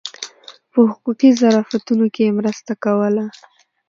په حقوقي ظرافتونو کې یې مرسته کوله.